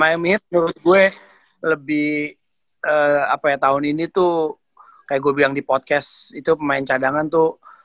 lima m it menurut gue lebih apa ya tahun ini tuh kayak gue bilang di podcast itu pemain cadangan tuh